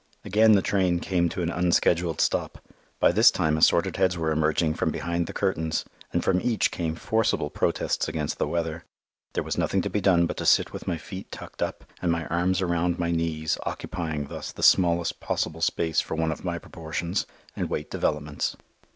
Again the train came to an unscheduled stop. By this time assorted heads were emerging from behind the curtains, and from each came forcible protests against the weather. There was nothing to be done but to sit with my feet tucked up and my arms around my knees, occupying thus the smallest possible space for one of my proportions, and wait developments.